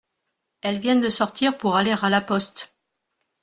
Elles viennent de sortir pour aller à la poste.